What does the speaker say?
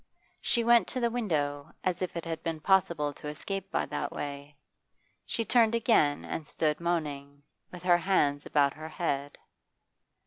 She went to the window, as if it had been possible to escape by that way; she turned again and stood moaning, with her hands about her head.